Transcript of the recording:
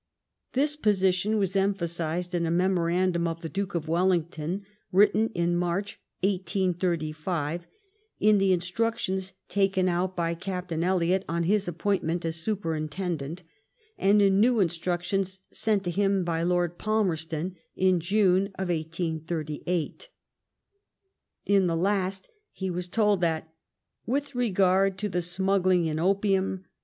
This position was emphasized in a memorandum of the Duke of Wellington, written in March 1886 ; in the instructions taken out by Captain Elliot on his appointment as Superintendent ; and in new instructions sent to him by Lord Palmerston in June 1888. In the last he was told that *' with regard to the smuggling in opium